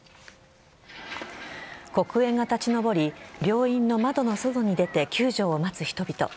黒煙が立ち上り病院の窓の外に出て救助を待つ人々。